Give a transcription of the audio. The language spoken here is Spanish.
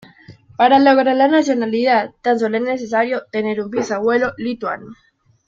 Para lograr la nacionalidad tan sólo es necesario tener un bisabuelo lituano.